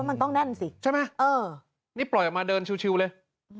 มันต้องแน่นสิใช่ไหมเออนี่ปล่อยออกมาเดินชิวเลย